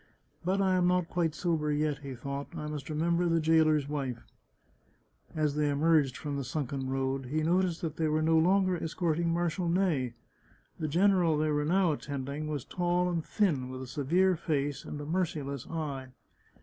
" But I am not quite sober yet," he thought. " I must remember the jailer's wife." As they emerged from the sunken road he noticed that they were no longer escorting Marshal Ney ; the general they were now attending was tall and thin, with a severe face and a merciless eye.